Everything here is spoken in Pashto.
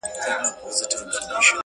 هم په تېښته کي چالاک هم زورور وو-